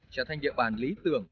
trở thành địa bàn lý tưởng